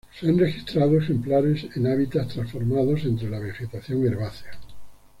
Se han registrado ejemplares en hábitats transformados, entre la vegetación herbácea.